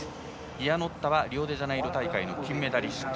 イアノッタはリオデジャネイロ大会金メダリスト。